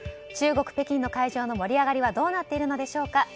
中国・北京の会場の盛り上がりはどうなっているのでしょうか。